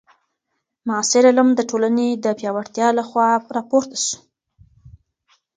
معاصر علم د ټولني د پیاوړتیا له خوا راپورته سو.